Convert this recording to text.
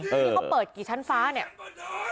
ที่เขาเปิดกี่ชั้นฟ้าเนี่ย